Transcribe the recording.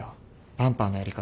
バンパーのやり方